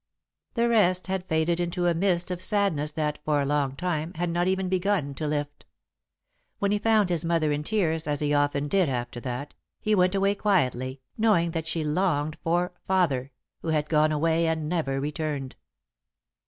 The rest had faded into a mist of sadness that, for a long time, had not even begun to lift. When he found his mother in tears, as he often did after that, he went away quietly, knowing that she longed for "Father," who had gone away and never returned.